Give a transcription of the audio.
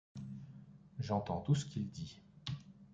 J’entends tout ce qu’il dit.